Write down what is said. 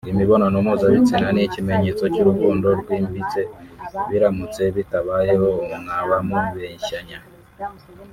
imibonano mpuzabitsina ni ikimenyetso cy’urukundo rwimbitse biramutse bitabayeho mwaba mubeshyanya